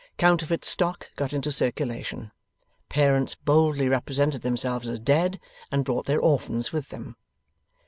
Counterfeit stock got into circulation. Parents boldly represented themselves as dead, and brought their orphans with them.